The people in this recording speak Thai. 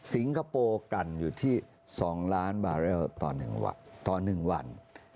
คโปร์กันอยู่ที่๒ล้านบาเรลต่อ๑วัน